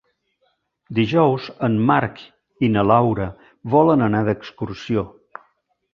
Dijous en Marc i na Laura volen anar d'excursió.